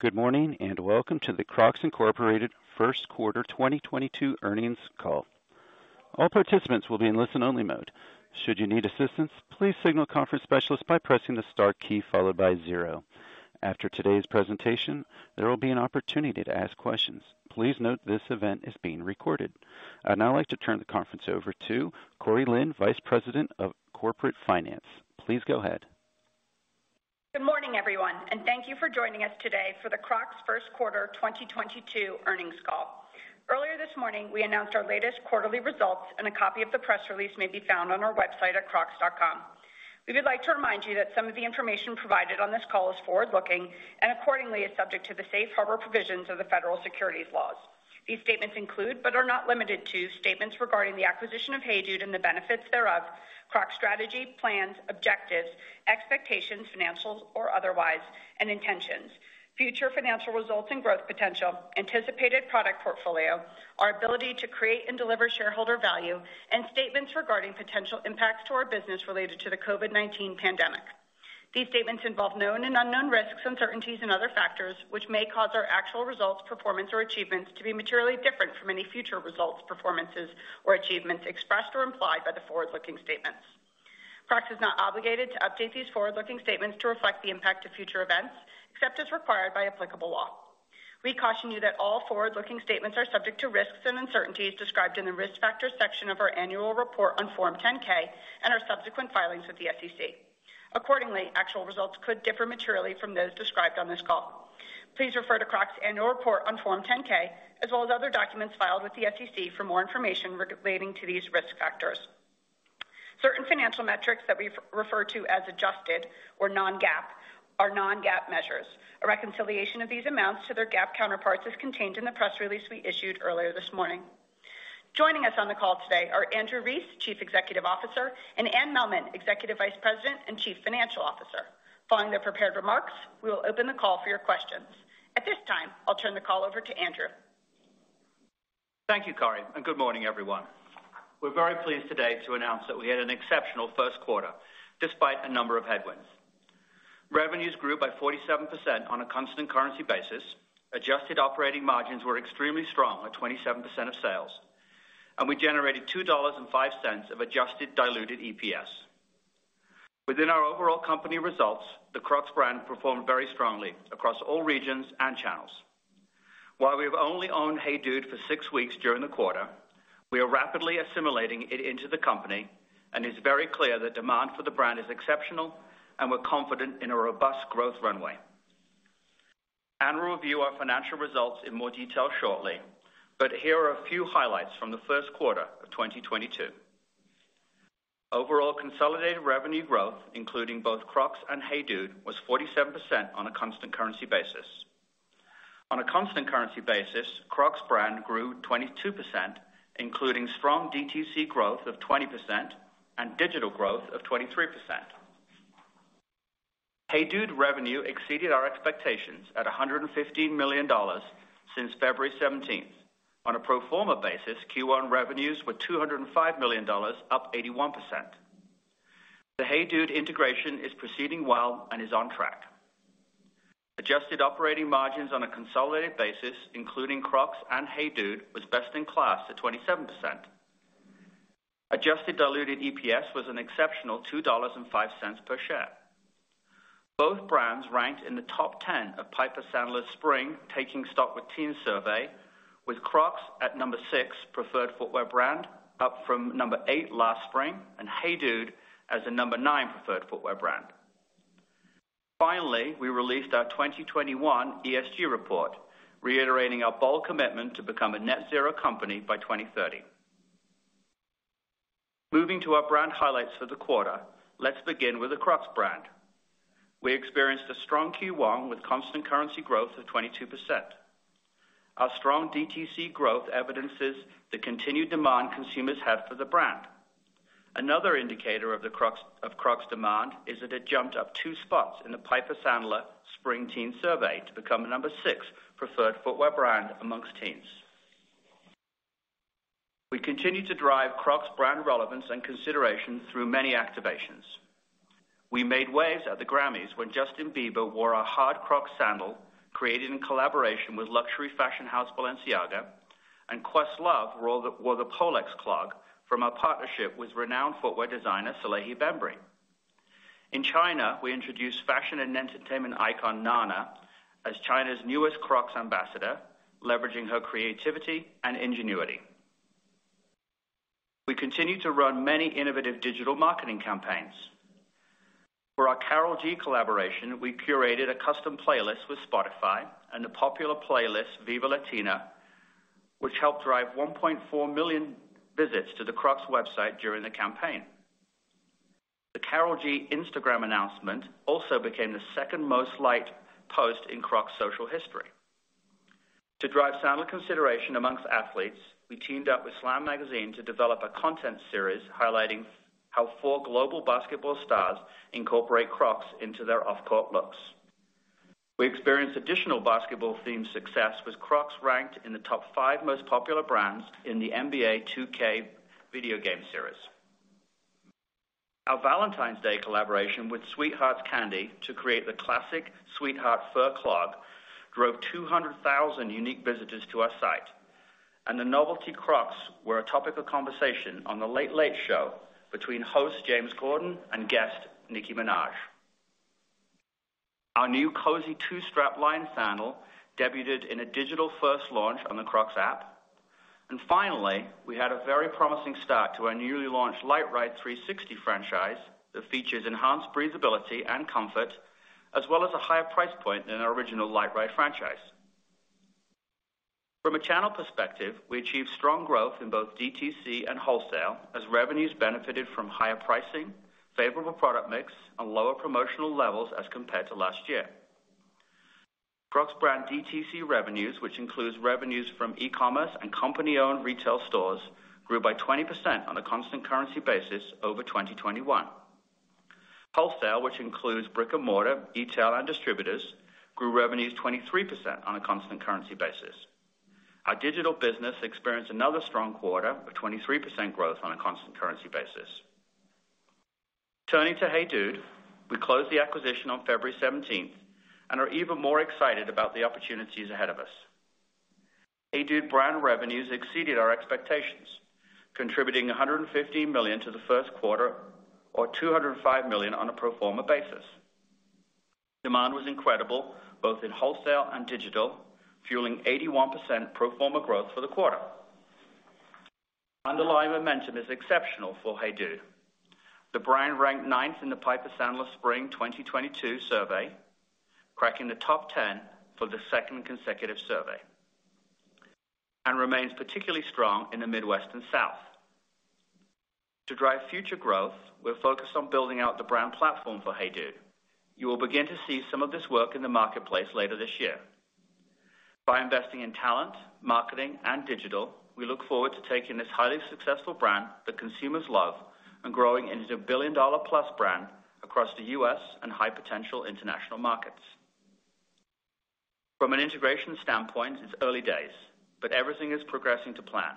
Good morning, and welcome to the Crocs, Inc. First Quarter 2022 Earnings Call. All participants will be in listen-only mode. Should you need assistance, please signal conference specialist by pressing the star key followed by zero. After today's presentation, there will be an opportunity to ask questions. Please note this event is being recorded. I'd now like to turn the conference over to Corinne Lin, Vice President of Corporate Finance. Please go ahead. Good morning, everyone, and thank you for joining us today for the Crocs First Quarter 2022 Earnings Call. Earlier this morning, we announced our latest quarterly results, and a copy of the press release may be found on our website at crocs.com. We would like to remind you that some of the information provided on this call is forward-looking and accordingly is subject to the safe harbor provisions of the Federal Securities Laws. These statements include, but are not limited to, statements regarding the acquisition of HeyDude and the benefits thereof, Crocs strategy, plans, objectives, expectations, financials or otherwise, and intentions, future financial results and growth potential, anticipated product portfolio, our ability to create and deliver shareholder value, and statements regarding potential impacts to our business related to the COVID-19 pandemic. These statements involve known and unknown risks, uncertainties and other factors which may cause our actual results, performance or achievements to be materially different from any future results, performances or achievements expressed or implied by the forward-looking statements. Crocs is not obligated to update these forward-looking statements to reflect the impact of future events, except as required by applicable law. We caution you that all forward-looking statements are subject to risks and uncertainties described in the Risk Factors section of our annual report on Form 10-K and our subsequent filings with the SEC. Accordingly, actual results could differ materially from those described on this call. Please refer to Crocs annual report on Form 10-K as well as other documents filed with the SEC for more information relating to these risk factors. Certain financial metrics that we refer to as adjusted or non-GAAP are non-GAAP measures. A reconciliation of these amounts to their GAAP counterparts is contained in the press release we issued earlier this morning. Joining us on the call today are Andrew Rees, Chief Executive Officer, and Anne Mehlman, Executive Vice President and Chief Financial Officer. Following their prepared remarks, we will open the call for your questions. At this time, I'll turn the call over to Andrew. Thank you, Corinne, and good morning, everyone. We're very pleased today to announce that we had an exceptional first quarter despite a number of headwinds. Revenues grew by 47% on a constant currency basis. Adjusted operating margins were extremely strong at 27% of sales, and we generated $2.05 of Adjusted diluted EPS. Within our overall company results, the Crocs Brand performed very strongly across all regions and channels. While we've only owned HeyDude for six weeks during the quarter, we are rapidly assimilating it into the company, and it's very clear that demand for the brand is exceptional and we're confident in a robust growth runway. Anne will review our financial results in more detail shortly, but here are a few highlights from the first quarter of 2022. Overall consolidated revenue growth, including both Crocs and HeyDude was 47% on a constant currency basis. On a constant currency basis, Crocs Brand grew 22%, including strong DTC growth of 20% and digital growth of 23%. HeyDude revenue exceeded our expectations at $115 million since February 17th. On a pro forma basis, Q1 revenues were $205 million, up 81%. The HeyDude integration is proceeding well and is on track. Adjusted operating margins on a consolidated basis, including Crocs and HeyDude, was best in class at 27%. Adjusted diluted EPS was an exceptional $2.05 per share. Both brands ranked in the top ten of Piper Sandler's spring Taking Stock With Teens survey, with Crocs at number six preferred footwear brand, up from number eight last spring, and HeyDude as the number nine preferred footwear brand. Finally, we released our 2021 ESG report, reiterating our bold commitment to become a net zero company by 2030. Moving to our brand highlights for the quarter. Let's begin with the Crocs Brand. We experienced a strong Q1 with constant currency growth of 22%. Our strong DTC growth evidences the continued demand consumers have for the brand. Another indicator of the Crocs demand is that it jumped up two spots in the Piper Sandler Spring Teen Survey to become the number six preferred footwear brand amongst teens. We continue to drive Crocs Brand relevance and consideration through many activations. We made waves at the Grammys when Justin Bieber wore a hard Crocs sandal created in collaboration with luxury fashion house Balenciaga, and Questlove wore the Pollex Clog from our partnership with renowned footwear designer Salehe Bembury. In China, we introduced fashion and entertainment icon Nana as China's newest Crocs ambassador, leveraging her creativity and ingenuity. We continue to run many innovative digital marketing campaigns. For our Karol G collaboration, we curated a custom playlist with Spotify and the popular playlist Viva Latino, which helped drive 1.4 million visits to the Crocs website during the campaign. The Karol G Instagram announcement also became the second most liked post in Crocs social history. To drive sandal consideration amongst athletes, we teamed up with SLAM Magazine to develop a content series highlighting how four global basketball stars incorporate Crocs into their off-court looks. We experienced additional basketball-themed success with Crocs ranked in the top five most popular brands in the NBA 2K video game series. Our Valentine's Day collaboration with Sweethearts Candy to create the classic Sweetheart fur clog drove 200,000 unique visitors to our site, and the novelty Crocs were a topic of conversation on The Late Late Show between host James Corden and guest Nicki Minaj. Our new Cozy Two-Strap Sandal debuted in a digital first launch on the Crocs app. Finally, we had a very promising start to our newly launched LiteRide 360 franchise that features enhanced breathability and comfort, as well as a higher price point than our original LiteRide franchise. From a channel perspective, we achieved strong growth in both DTC and wholesale as revenues benefited from higher pricing, favorable product mix, and lower promotional levels as compared to last year. Crocs Brand DTC revenues, which includes revenues from e-commerce and company-owned retail stores, grew by 20% on a constant currency basis over 2021. Wholesale, which includes brick-and-mortar, e-tail, and distributors, grew revenues 23% on a constant currency basis. Our digital business experienced another strong quarter of 23% growth on a constant currency basis. Turning to HeyDude, we closed the acquisition on February 17th and are even more excited about the opportunities ahead of us. HeyDude brand revenues exceeded our expectations, contributing $115 million to the first quarter or $205 million on a pro forma basis. Demand was incredible, both in wholesale and digital, fueling 81% pro forma growth for the quarter. Underlying momentum is exceptional for HeyDude. The brand ranked ninth in the Piper Sandler Spring 2022 survey, cracking the top 10 for the second consecutive survey and remains particularly strong in the Midwest and South. To drive future growth, we're focused on building out the brand platform for HeyDude. You will begin to see some of this work in the marketplace later this year. By investing in talent, marketing, and digital, we look forward to taking this highly successful brand that consumers love and growing it into a billion-dollar plus brand across the U.S. and high potential international markets. From an integration standpoint, it's early days, but everything is progressing to plan.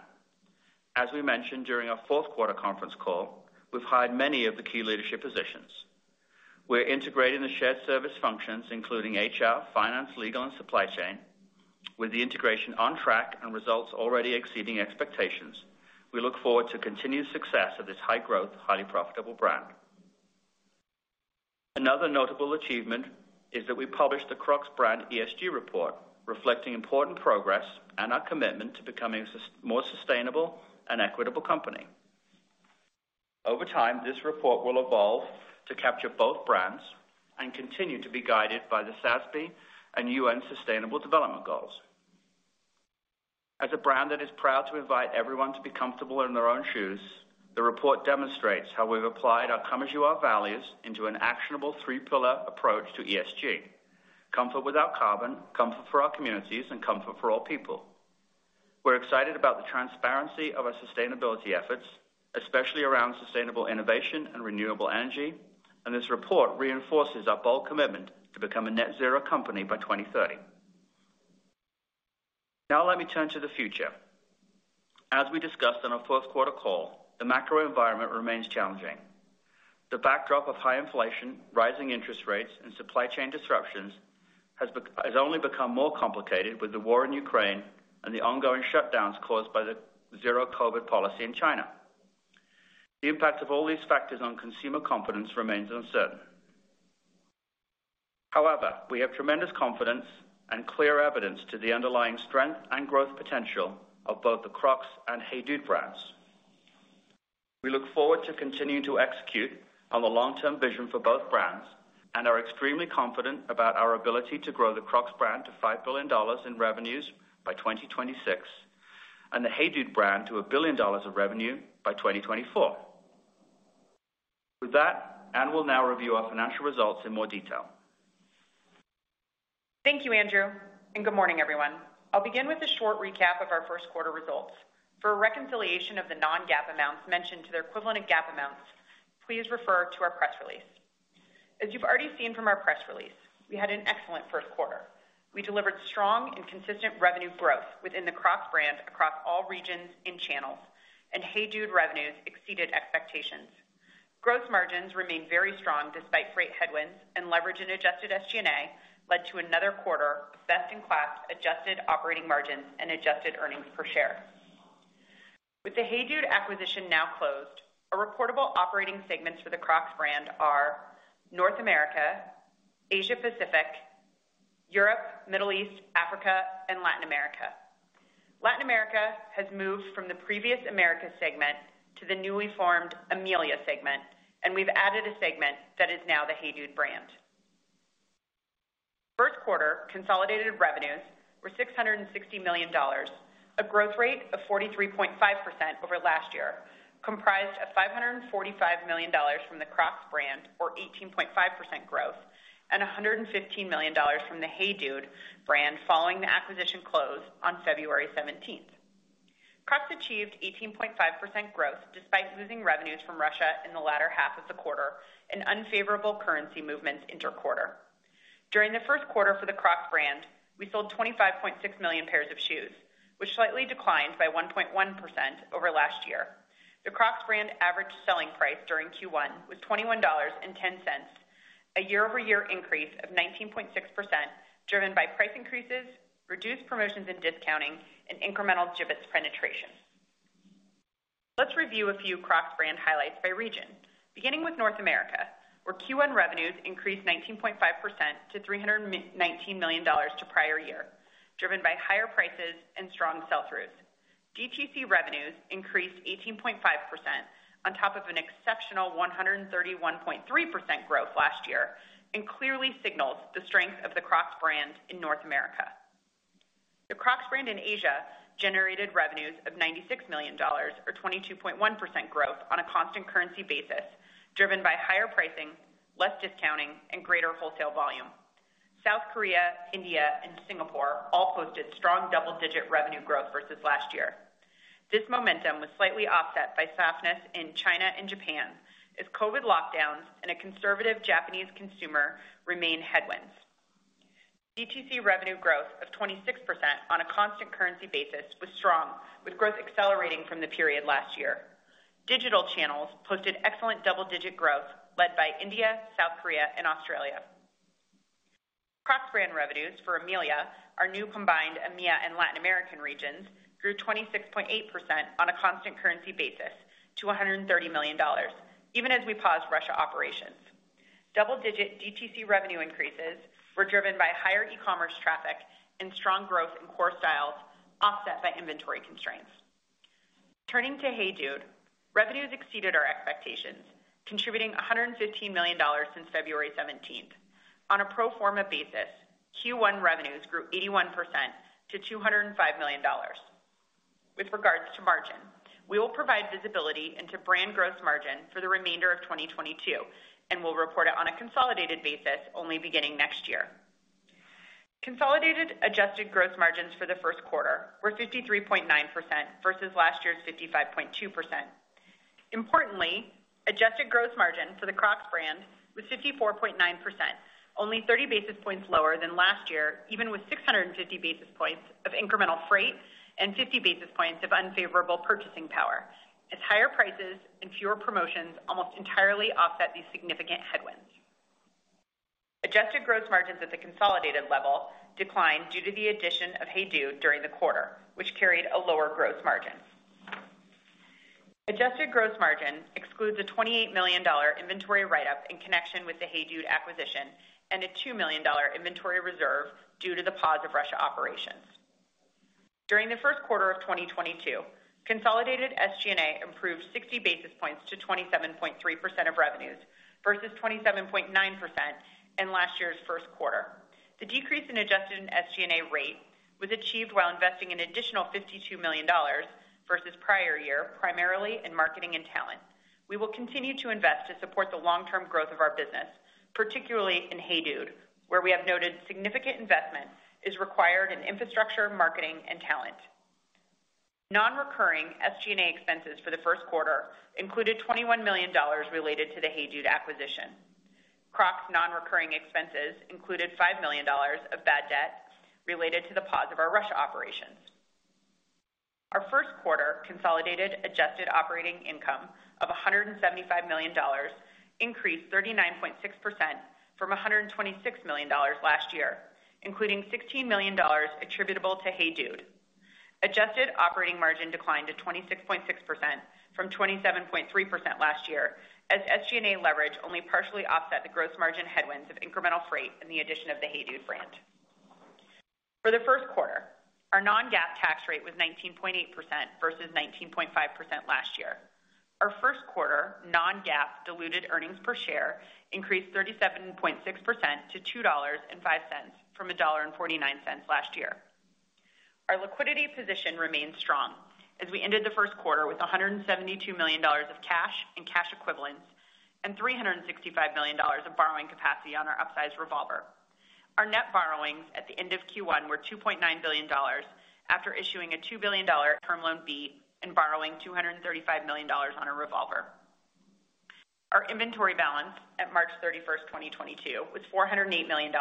As we mentioned during our fourth quarter conference call, we've hired many of the key leadership positions. We're integrating the shared service functions, including HR, finance, legal, and supply chain. With the integration on track and results already exceeding expectations, we look forward to continued success of this high-growth, highly profitable brand. Another notable achievement is that we published the Crocs Brand ESG report reflecting important progress and our commitment to becoming more sustainable and equitable company. Over time, this report will evolve to capture both brands and continue to be guided by the SASB and UN Sustainable Development Goals. As a brand that is proud to invite everyone to be comfortable in their own shoes, the report demonstrates how we've applied our Come As You Are values into an actionable three-pillar approach to ESG. Comfort with our carbon, comfort for our communities, and comfort for all people. We're excited about the transparency of our sustainability efforts, especially around sustainable innovation and renewable energy, and this report reinforces our bold commitment to become a net zero company by 2030. Now let me turn to the future. As we discussed on our fourth quarter call, the macro environment remains challenging. The backdrop of high inflation, rising interest rates, and supply chain disruptions has only become more complicated with the war in Ukraine and the ongoing shutdowns caused by the zero-COVID policy in China. The impact of all these factors on consumer confidence remains uncertain. However, we have tremendous confidence and clear evidence to the underlying strength and growth potential of both the Crocs and HeyDude brands. We look forward to continuing to execute on the long-term vision for both brands and are extremely confident about our ability to grow the Crocs Brand to $5 billion in revenues by 2026 and the HeyDude brand to $1 billion of revenue by 2024. With that, Anne will now review our financial results in more detail. Thank you, Andrew, and good morning, everyone. I'll begin with a short recap of our first quarter results. For a reconciliation of the non-GAAP amounts mentioned to their equivalent of GAAP amounts, please refer to our press release. As you've already seen from our press release, we had an excellent first quarter. We delivered strong and consistent revenue growth within the Crocs Brand across all regions and channels, and HeyDude revenues exceeded expectations. Gross margins remained very strong despite freight headwinds and leverage and Adjusted SG&A led to another quarter of best-in-class, Adjusted operating margins, and Adjusted earnings per share. With the HeyDude acquisition now closed, our reportable operating segments for the Crocs Brand are North America, Asia Pacific, Europe, Middle East, Africa, and Latin America. Latin America has moved from the previous Americas segment to the newly formed EMEALA segment, and we've added a segment that is now the HeyDude brand. First quarter consolidated revenues were $660 million, a growth rate of 43.5% over last year, comprised of $545 million from the Crocs Brand of 18.5% growth, and $115 million from the HeyDude brand following the acquisition close on February 17th. Crocs achieved 18.5% growth despite losing revenues from Russia in the latter half of the quarter and unfavorable currency movements inter-quarter. During the first quarter for the Crocs Brand, we sold 25.6 million pairs of shoes, which slightly declined by 1.1% over last year. The Crocs Brand average selling price during Q1 was $21.10, a year-over-year increase of 19.6%, driven by price increases, reduced promotions and discounting, and incremental Jibbitz penetration. Let's review a few Crocs Brand highlights by region, beginning with North America, where Q1 revenues increased 19.5% to $319 million to prior year, driven by higher prices and strong sell-throughs. DTC revenues increased 18.5% on top of an exceptional 131.3% growth last year, and clearly signals the strength of the Crocs Brand in North America. The Crocs Brand in Asia generated revenues of $96 million, or 22.1% growth on a constant currency basis, driven by higher pricing, less discounting, and greater wholesale volume. South Korea, India, and Singapore all posted strong double-digit revenue growth versus last year. This momentum was slightly offset by softness in China and Japan as COVID lockdowns and a conservative Japanese consumer remained headwinds. DTC revenue growth of 26% on a constant currency basis was strong, with growth accelerating from the period last year. Digital channels posted excellent double-digit growth led by India, South Korea, and Australia. Crocs Brand revenues for EMEALA, our new combined EMEA and Latin American regions, grew 26.8% on a constant currency basis to $130 million even as we paused Russia operations. Double-digit DTC revenue increases were driven by higher e-commerce traffic and strong growth in core styles offset by inventory constraints. Turning to HeyDude, revenues exceeded our expectations, contributing $115 million since February 17th. On a pro forma basis, Q1 revenues grew 81% to $205 million. With regards to margin, we will provide visibility into brand gross margin for the remainder of 2022 and will report it on a consolidated basis only beginning next year. Consolidated Adjusted gross margins for the first quarter were 53.9% versus last year's 55.2%. Importantly, Adjusted gross margin for the Crocs Brand was 54.9%, only 30 basis points lower than last year, even with 650 basis points of incremental freight and 50 basis points of unfavorable purchasing power, as higher prices and fewer promotions almost entirely offset these significant headwinds. Adjusted gross margins at the consolidated level declined due to the addition of HeyDude during the quarter, which carried a lower gross margin. Adjusted gross margin excludes a $28 million inventory write-up in connection with the HeyDude acquisition and a $2 million inventory reserve due to the pause of Russia operations. During the first quarter of 2022, consolidated SG&A improved 60 basis points to 27.3% of revenues versus 27.9% in last year's first quarter. The decrease in adjusted SG&A rate was achieved while investing an additional $52 million versus prior year, primarily in marketing and talent. We will continue to invest to support the long-term growth of our business, particularly in HeyDude, where we have noted significant investment is required in infrastructure, marketing, and talent. Non-recurring SG&A expenses for the first quarter included $21 million related to the HeyDude acquisition. Crocs non-recurring expenses included $5 million of bad debt related to the pause of our Russia operations. Our first quarter consolidated Adjusted operating income of $175 million increased 39.6% from $126 million last year, including $16 million attributable to HeyDude. Adjusted operating margin declined to 26.6% from 27.3% last year, as SG&A leverage only partially offset the gross margin headwinds of incremental freight and the addition of the HeyDude brand. For the first quarter, our non-GAAP tax rate was 19.8% versus 19.5% last year. Our first quarter non-GAAP diluted earnings per share increased 37.6% to $2.05 from 1.49 last year. Our liquidity position remains strong as we ended the first quarter with $172 million of cash and cash equivalents and $365 million of borrowing capacity on our upsized revolver. Our net borrowings at the end of Q1 were $2.9 billion after issuing a $2 billion Term Loan B and borrowing $235 million on our revolver. Our inventory balance at March 31st, 2022 was $408 million.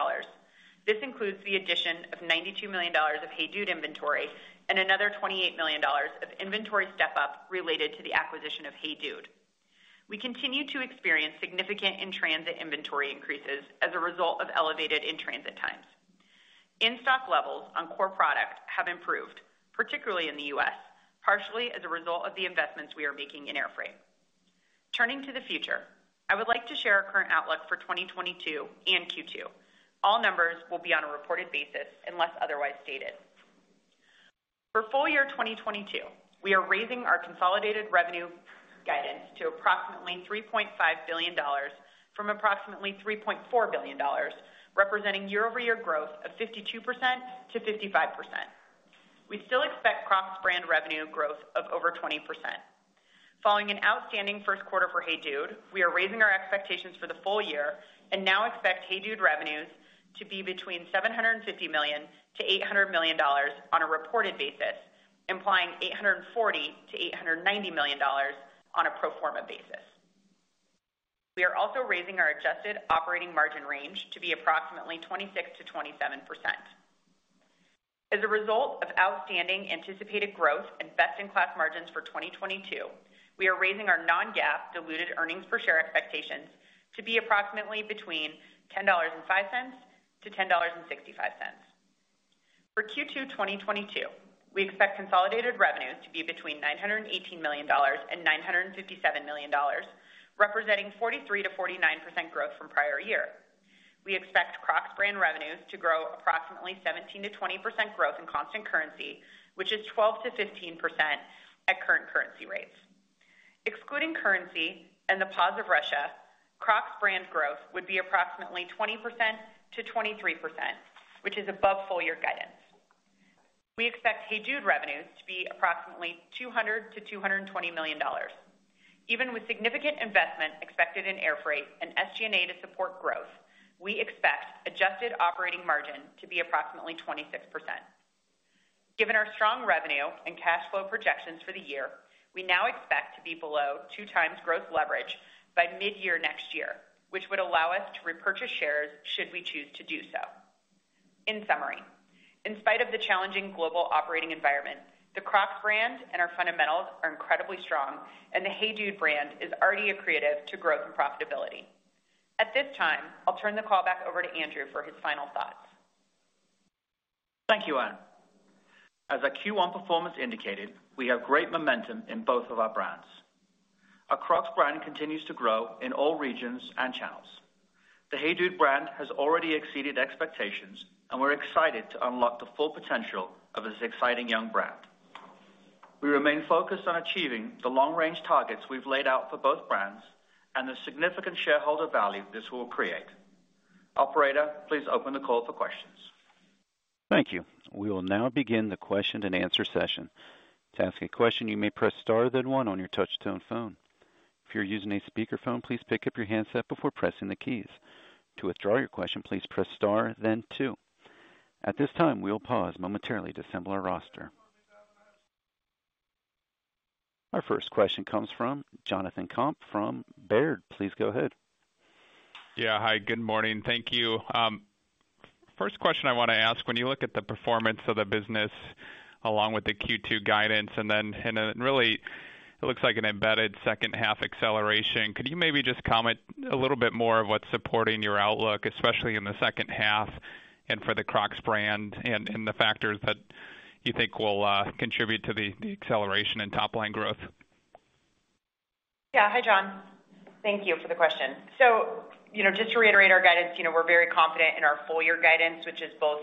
This includes the addition of $92 million of HeyDude inventory and another $28 million of inventory step-up related to the acquisition of HeyDude. We continue to experience significant in-transit inventory increases as a result of elevated in-transit times. In-stock levels on core products have improved, particularly in the U.S., partially as a result of the investments we are making in air freight. Turning to the future, I would like to share our current outlook for 2022 and Q2. All numbers will be on a reported basis unless otherwise stated. For full year 2022, we are raising our consolidated revenue guidance to approximately $3.5 billion from approximately $3.4 billion, representing year-over-year growth of 52%-55%. We still expect Crocs Brand revenue growth of over 20%. Following an outstanding first quarter for HeyDude, we are raising our expectations for the full year and now expect HeyDude revenues to be between $750 million to 800 million dollars on a reported basis, implying $840 million-890 million dollars on a pro forma basis. We are also raising our adjusted operating margin range to be approximately 26%-27%. As a result of outstanding anticipated growth and best in class margins for 2022, we are raising our non-GAAP diluted earnings per share expectations to be approximately between $10.05 to 10.65. For Q2 2022, we expect consolidated revenues to be between $918 million and 957 million, representing 43%-49% growth from prior year. We expect Crocs Brand revenues to grow approximately 17%-20% growth in constant currency, which is 12%-15% at current currency rates. Excluding currency and the pause in Russia, Crocs Brand growth would be approximately 20%-23%, which is above full year guidance. We expect HeyDude revenues to be approximately $200 million-220 million. Even with significant investment expected in air freight and SG&A to support growth, we expect Adjusted operating margin to be approximately 26%. Given our strong revenue and cash flow projections for the year, we now expect to be below 2x growth leverage by mid-year next year, which would allow us to repurchase shares should we choose to do so. In summary, in spite of the challenging global operating environment, the Crocs Brand and our fundamentals are incredibly strong, and the HeyDude brand is already accretive to growth and profitability. At this time, I'll turn the call back over to Andrew for his final thoughts. Thank you, Anne. As our Q1 performance indicated, we have great momentum in both of our brands. Our Crocs Brand continues to grow in all regions and channels. The HeyDude brand has already exceeded expectations, and we're excited to unlock the full potential of this exciting young brand. We remain focused on achieving the long-range targets we've laid out for both brands and the significant shareholder value this will create. Operator, please open the call for questions. Thank you. We will now begin the question and answer session. To ask a question, you may press star then one on your touchtone phone. If you're using a speakerphone, please pick up your handset before pressing the keys. To withdraw your question, please press star then two. At this time, we will pause momentarily to assemble our roster. Our first question comes from Jonathan Komp from Baird. Please go ahead. Yeah. Hi, good morning. Thank you. First question I wanna ask, when you look at the performance of the business along with the Q2 guidance, and then really it looks like an embedded second half acceleration, could you maybe just comment a little bit more of what's supporting your outlook, especially in the second half and for the Crocs Brand and the factors that you think will contribute to the acceleration and top line growth? Yeah. Hi, John. Thank you for the question. You know, just to reiterate our guidance, you know, we're very confident in our full year guidance, which is both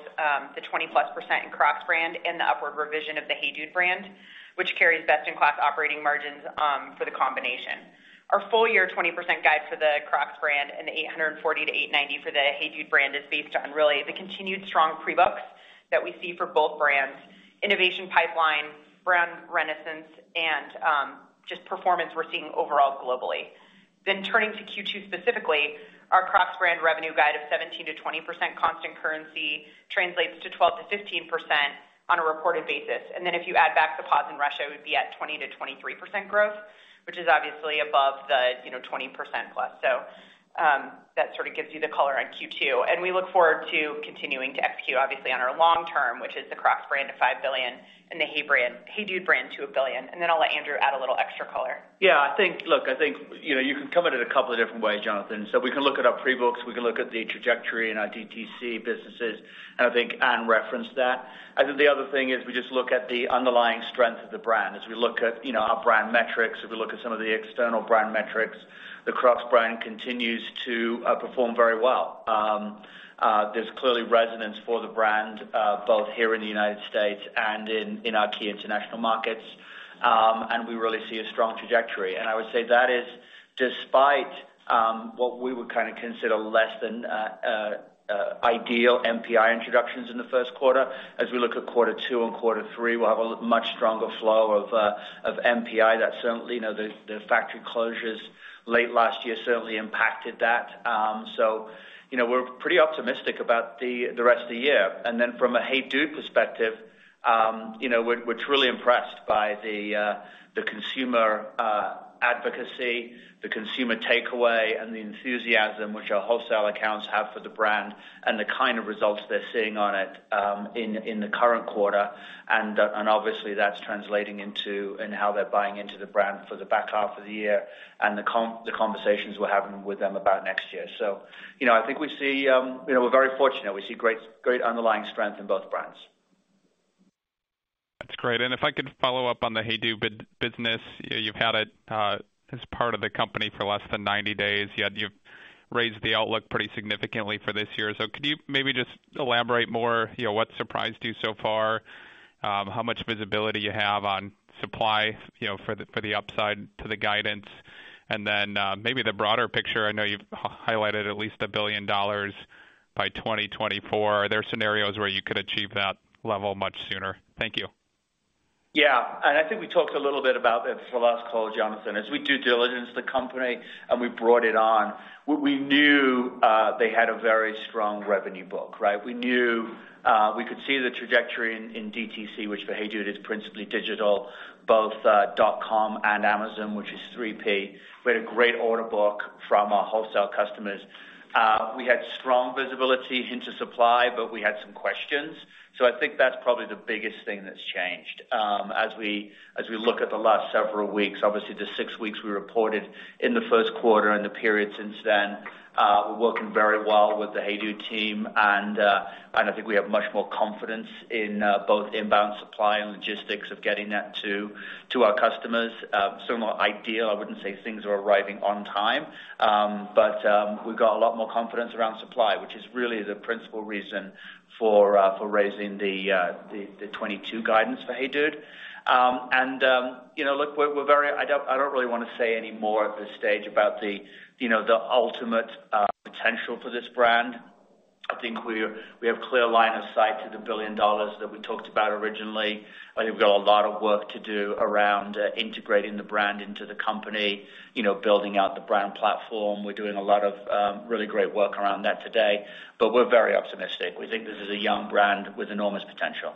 the 20%+ in Crocs Brand and the upward revision of the HeyDude brand, which carries best in class operating margins for the combination. Our full year 20% guide for the Crocs Brand and the $840-890 for the HeyDude brand is based on really the continued strong pre-books that we see for both brands, innovation pipeline, brand renaissance, and just performance we're seeing overall globally. Turning to Q2 specifically, our Crocs Brand revenue guide of 17%-20% constant currency translates to 12%-15% on a reported basis. If you add back the pause in Russia, it would be at 20%-23% growth, which is obviously above the, you know, 20% plus. That sort of gives you the color on Q2, and we look forward to continuing to execute obviously on our long term, which is the Crocs Brand at $5 billion and the HeyDude brand to $1 billion. I'll let Andrew add a little extra color. Look, I think, you know, you can come at it a couple of different ways, Jonathan. We can look at our pre-books, we can look at the trajectory in our DTC businesses, and I think Anne referenced that. I think the other thing is we just look at the underlying strength of the brand. As we look at, you know, our brand metrics, as we look at some of the external brand metrics, the Crocs Brand continues to perform very well. There's clearly resonance for the brand, both here in the United States and in our key international markets. We really see a strong trajectory. I would say that is despite what we would kinda consider less than ideal NPI introductions in the first quarter. As we look at quarter two and quarter three, we'll have a much stronger flow of NPI. That certainly, the factory closures late last year certainly impacted that. We're pretty optimistic about the rest of the year. From a HeyDude perspective, we're truly impressed by the consumer advocacy, the consumer takeaway and the enthusiasm which our wholesale accounts have for the brand and the kind of results they're seeing on it in the current quarter. Obviously that's translating into how they're buying into the brand for the back half of the year and the conversations we're having with them about next year. I think we see. We're very fortunate. We see great underlying strength in both brands. That's great. If I could follow up on the HeyDude business. You've had it as part of the company for less than 90 days, yet you've raised the outlook pretty significantly for this year. Could you maybe just elaborate more, you know, what surprised you so far? How much visibility you have on supply, you know, for the upside to the guidance? Then, maybe the broader picture. I know you've highlighted at least $1 billion by 2024. Are there scenarios where you could achieve that level much sooner? Thank you. Yeah. I think we talked a little bit about this the last call, Jonathan. As we did due diligence the company and we brought it on, we knew they had a very strong revenue book, right? We knew we could see the trajectory in DTC, which for HeyDude is principally digital, both dot com and Amazon, which is 3P. We had a great order book from our wholesale customers. We had strong visibility into supply, but we had some questions. I think that's probably the biggest thing that's changed. As we look at the last several weeks, obviously the 6 weeks we reported in the first quarter and the period since then, we're working very well with the HeyDude team. I think we have much more confidence in both inbound supply and logistics of getting that to our customers. Similar idea, I wouldn't say things are arriving on time. But we've got a lot more confidence around supply, which is really the principal reason for raising the 2022 guidance for HeyDude. You know, look, I don't really wanna say any more at this stage about the ultimate potential for this brand. I think we have clear line of sight to the $1 billion that we talked about originally. I think we've got a lot of work to do around integrating the brand into the company, you know, building out the brand platform. We're doing a lot of really great work around that today, but we're very optimistic. We think this is a young brand with enormous potential.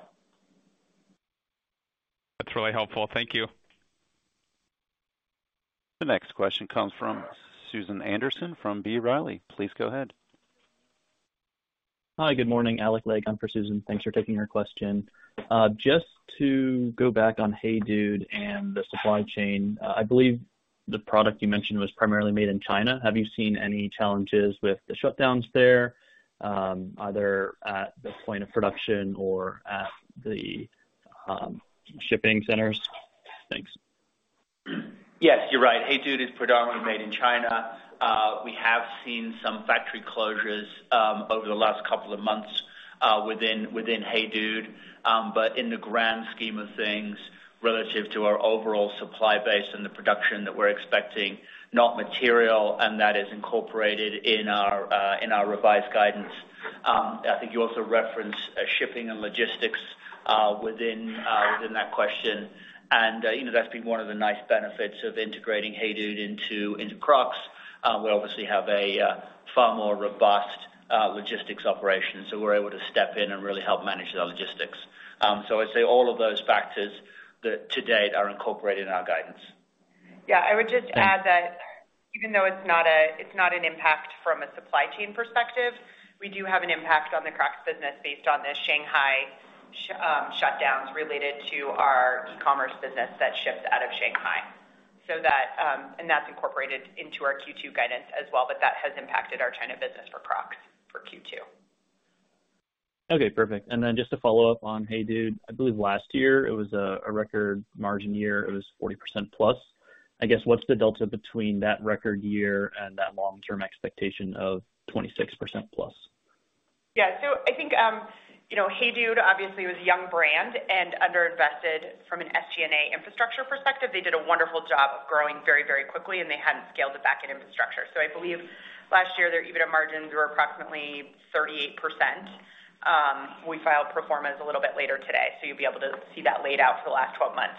That's really helpful. Thank you. The next question comes from Susan Anderson from B. Riley. Please go ahead. Hi, good morning. Alec Legg on for Susan. Thanks for taking her question. Just to go back on HeyDude and the supply chain, I believe the product you mentioned was primarily made in China. Have you seen any challenges with the shutdowns there, either at the point of production or at the shipping centers? Thanks. Yes, you're right. HeyDude is predominantly made in China. We have seen some factory closures over the last couple of months within HeyDude. In the grand scheme of things, relative to our overall supply base and the production that we're expecting, not material, and that is incorporated in our revised guidance. I think you also referenced shipping and logistics within that question. You know, that's been one of the nice benefits of integrating HeyDude into Crocs. We obviously have a far more robust logistics operation, so we're able to step in and really help manage the logistics. I'd say all of those factors to date are incorporated in our guidance. Yeah. I would just add that even though it's not an impact from a supply chain perspective, we do have an impact on the Crocs business based on the Shanghai shutdowns related to our e-commerce business that ships out of Shanghai. That and that's incorporated into our Q2 guidance as well, but that has impacted our China business for Crocs for Q2. Okay, perfect. Just to follow up on HeyDude, I believe last year it was a record margin year. It was 40%+. I guess what's the delta between that record year and that long-term expectation of 26%+? I think, you know, HeyDude obviously was a young brand and under invested from an SG&A infrastructure perspective. They did a wonderful job of growing very, very quickly, and they hadn't scaled it back in infrastructure. I believe last year, their EBITDA margins were approximately 38%. We filed pro formas a little bit later today, so you'll be able to see that laid out for the last 12 months.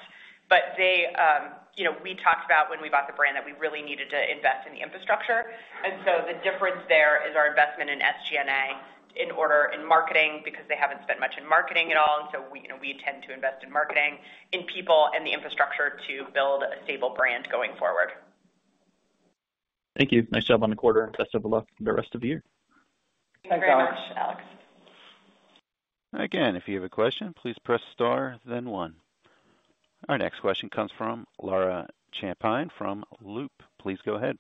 But they, you know, we talked about when we bought the brand that we really needed to invest in the infrastructure. The difference there is our investment in SG&A in order to invest in marketing because they haven't spent much in marketing at all. We, you know, we intend to invest in marketing, in people and the infrastructure to build a stable brand going forward. Thank you. Nice job on the quarter. Best of luck for the rest of the year. Thanks very much, Alec. Thanks, Alex. Again, if you have a question, please press star then one. Our next question comes from Laura Champine from Loop. Please go ahead.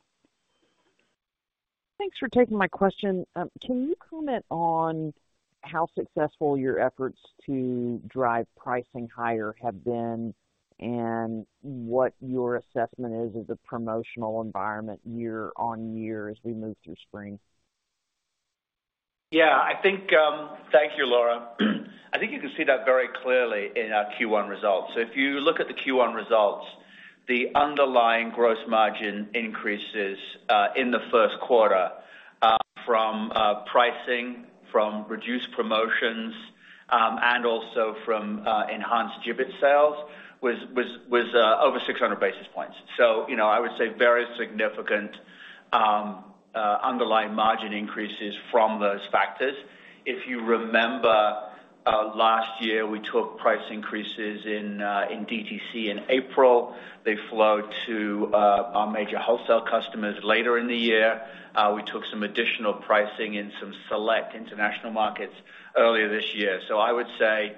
Thanks for taking my question. Can you comment on how successful your efforts to drive pricing higher have been and what your assessment is of the promotional environment year on year as we move through spring? Yeah, I think. Thank you, Laura. I think you can see that very clearly in our Q1 results. If you look at the Q1 results, the underlying gross margin increases in the first quarter from pricing, from reduced promotions, and also from enhanced Jibbitz sales was over 600 basis points. You know, I would say very significant underlying margin increases from those factors. If you remember, last year, we took price increases in DTC in April. They flowed to our major wholesale customers later in the year. We took some additional pricing in some select international markets earlier this year. I would say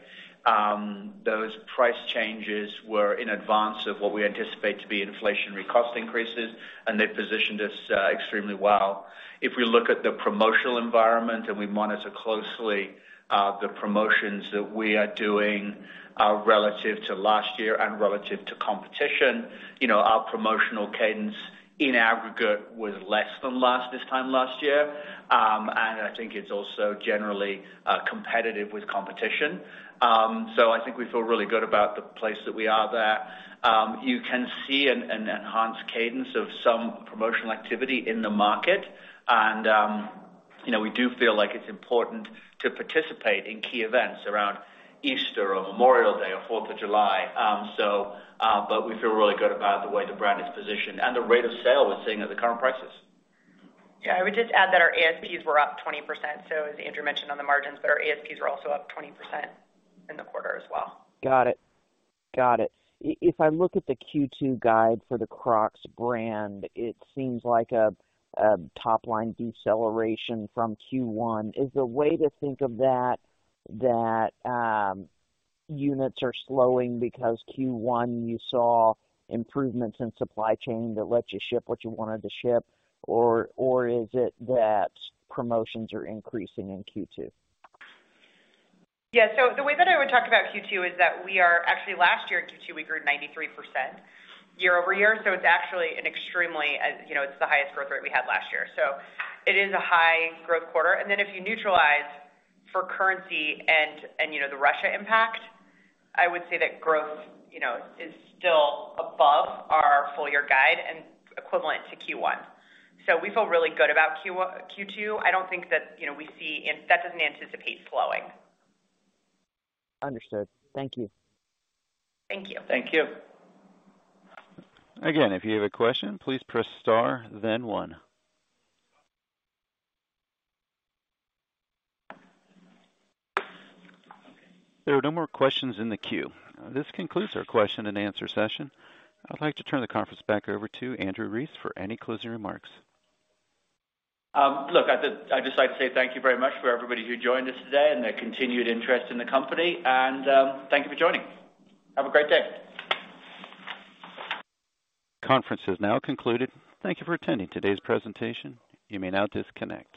those price changes were in advance of what we anticipate to be inflationary cost increases, and they've positioned us extremely well. If we look at the promotional environment, and we monitor closely, the promotions that we are doing, relative to last year and relative to competition, you know, our promotional cadence in aggregate was less than this time last year. I think it's also generally competitive with competition. I think we feel really good about the place that we are there. You can see an enhanced cadence of some promotional activity in the market. You know, we do feel like it's important to participate in key events around Easter or Memorial Day or 4th of July. We feel really good about the way the brand is positioned and the rate of sale we're seeing at the current prices. Yeah. I would just add that our ASPs were up 20%. As Andrew mentioned on the margins, but our ASPs were also up 20% in the quarter as well. Got it. If I look at the Q2 guide for the Crocs Brand, it seems like a top line deceleration from Q1. Is the way to think of that that units are slowing because Q1 you saw improvements in supply chain that lets you ship what you wanted to ship? Or is it that promotions are increasing in Q2? Yeah. The way that I would talk about Q2 is actually, last year in Q2, we grew 93% year-over-year. It's actually an extremely, you know, it's the highest growth rate we had last year. It is a high growth quarter. Then if you neutralize for currency and you know, the Russia impact, I would say that growth, you know, is still above our full-year guide and equivalent to Q1. We feel really good about Q2. I don't think that, you know, that doesn't anticipate slowing. Understood. Thank you. Thank you. Thank you. Again, if you have a question, please press star then one. There are no more questions in the queue. This concludes our question and answer session. I'd like to turn the conference back over to Andrew Rees for any closing remarks. Look, I'd just like to say thank you very much for everybody who joined us today and their continued interest in the company. Thank you for joining. Have a great day. Conference is now concluded. Thank you for attending today's presentation. You may now disconnect.